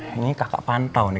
ini kakak pantau nih